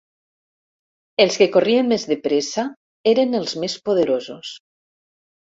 Els que corrien més de pressa eren els més poderosos.